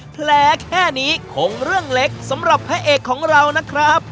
แค่นี้คงเรื่องเล็กสำหรับพระเอกของเรานะครับ